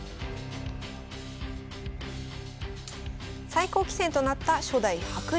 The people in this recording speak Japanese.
最高棋戦となった初代白玲。